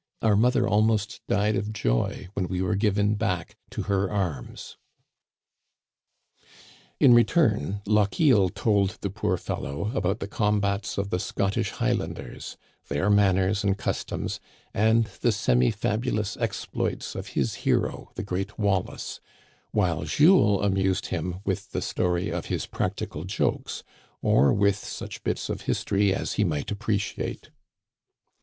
Our mother almost died of joy when we were given back to her arms." In return, Lochiel told the poor fellow about the combats of the Scottish Highlanders, their manners and customs, and the semi fabulous exploits of his hero, the great Wallace ; while Jules amused him with the story of his practical jokes, or with such bits of history as he might appreciate.